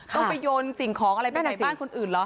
ต้องไปโยนสิ่งของอะไรไปไหนบ้านคนอื่นเหรอ